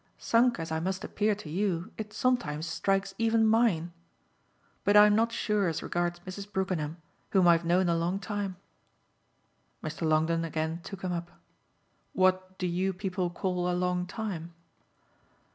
Sunk as I must appear to you it sometimes strikes even mine. But I'm not sure as regards Mrs. Brookenham, whom I've known a long time." Mr. Longdon again took him up. "What do you people call a long time?"